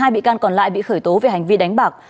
một mươi hai bị can còn lại bị khởi tố về hành vi đánh bạc